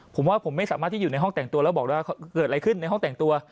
ผมว่าผมไม่สามารถที่อยู่ในห้องแต่งตัวแล้วบอกได้เกิดอะไรขึ้นในห้องแต่งตัว